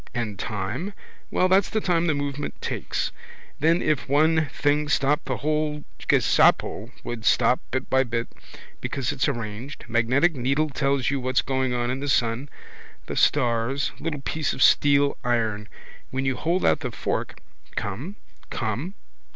And time, well that's the time the movement takes. Then if one thing stopped the whole ghesabo would stop bit by bit. Because it's all arranged. Magnetic needle tells you what's going on in the sun, the stars. Little piece of steel iron. When you hold out the fork. Come. Come.